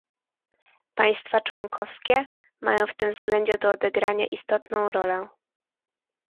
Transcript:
Państwa członkowskie mają w tym względzie do odegrania istotną rolę